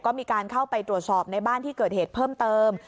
ก็มีการเข้าไปตรวจสอบในบ้านที่เกิดเหตุเพิ่มเติม